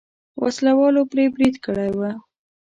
وسله والو پرې برید کړی و.